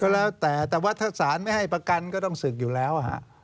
แล้วแต่แต่ว่าถ้าศาลไม่ให้ประกันก็ต้องศึกอยู่แล้ว